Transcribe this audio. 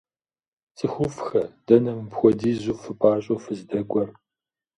ЦӀыхуфӀхэ, дэнэ мыпхуэдизу фыпӀащӀэу фыздэкӀуэр?